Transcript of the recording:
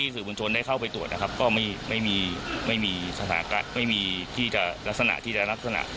เป็นลักษณะครับ